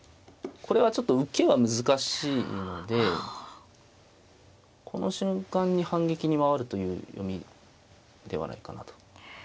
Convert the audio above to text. これはちょっと受けは難しいのでこの瞬間に反撃に回るという読みではないかなと。